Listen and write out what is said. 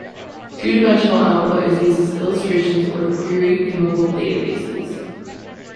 Two-dimensional output is used as illustrations or to query chemical databases.